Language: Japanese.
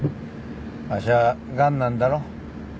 わしはガンなんだろう？